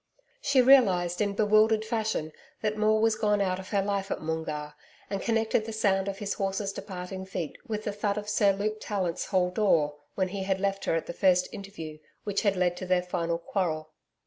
She realised in bewildered fashion, that Maule was gone out of her life at Moongarr, and connected the sound of his horses' departing feet with the thud of Sir Luke Tallant's hall door, when he had left her at the first interview which had led to their final quarrel.